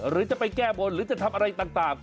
หรือจะไปแก้บนหรือจะทำอะไรต่าง